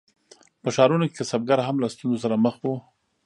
په ښارونو کې کسبګر هم له ستونزو سره مخ وو.